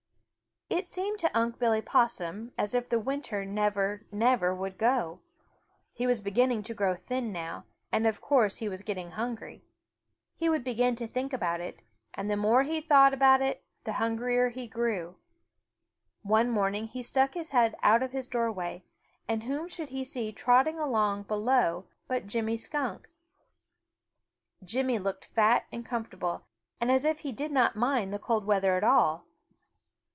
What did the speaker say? It seemed to Unc' Billy Possum as if the winter never, never would go. He was beginning to grow thin now, and of course he was getting hungry. He began to think about it, and the more he thought about it, the hungrier he grew. One morning he stuck his head out of his doorway, and whom should he see trotting along below but Jimmy Skunk. Jimmy looked fat and comfortable and as if he did not mind the cold weather at all.